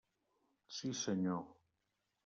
Sí, senyor.